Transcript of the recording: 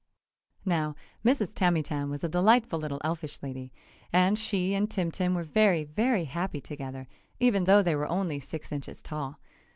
Now, Mrs. Tamytam was a delightful little elfish lady, and she and Tim Tim were very, very happy together, even though they were only six inches tall.